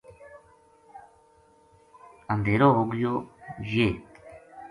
اندھیرو ہو گیو یہ اُ